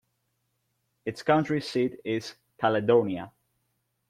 Its county seat is Caledonia.